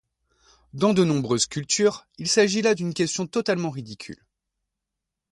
Dans de nombreuses cultures, il s’agit là d’une question totalement ridicule.